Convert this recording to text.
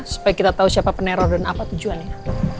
supaya kita tahu siapa peneror dan apa tujuannya